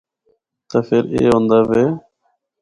تے فر اے ہوندا وے۔